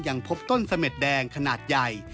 ยังพบต้นสะเม็ดแดงขนาดใหญ่